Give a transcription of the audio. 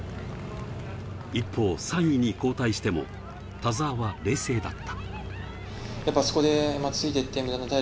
一方、３位に後退しても、田澤は冷静だった。